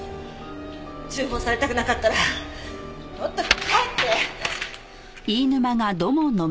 通報されたくなかったらとっとと帰って！